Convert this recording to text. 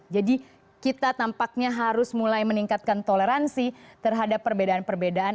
jadi kita tampaknya harus mulai meningkatkan toleransi terhadap perbedaan perbedaan